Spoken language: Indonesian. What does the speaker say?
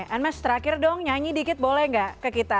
unmesh terakhir dong nyanyi dikit boleh gak ke kita